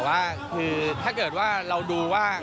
แต่ว่าคือถ้าเกิดว่าเราดูว่า